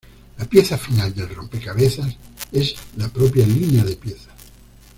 La pieza final del rompecabezas es la propia línea de piezas.